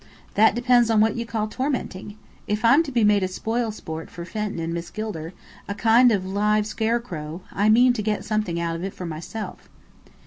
"That depends on what you call 'tormenting.' If I'm to be made a spoil sport for Fenton and Miss Gilder, a kind of live scarecrow, I mean to get something out of it for myself."